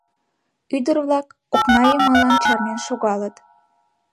Ӱдыр-влак окна йымалан чарнен шогалыт.